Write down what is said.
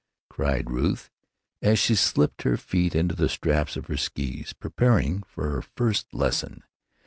cried Ruth, as she slipped her feet into the straps of her skees, preparing for her first lesson.